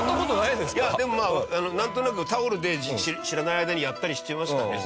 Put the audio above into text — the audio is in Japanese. いやでもまあなんとなくタオルで知らない間にやったりしてましたね